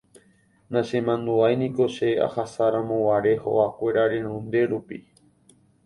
nachemandu'áiniko che ahasáramoguare hogakuéra renonde rupi